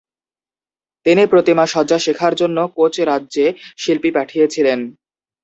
তিনি প্রতিমা সজ্জা শেখার জন্য কোচ রাজ্যে শিল্পী পাঠিয়েছিলেন।